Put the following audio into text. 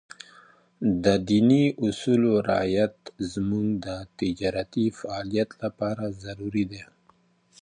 د ديني اصولو رعایت زموږ د تجارتي فعالیت لپاره ضروري دی.